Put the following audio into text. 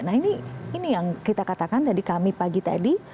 nah ini yang kita katakan tadi kami pagi tadi